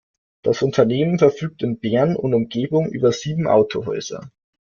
Das Unternehmen verfügt in Bern und Umgebung über sieben Autohäuser.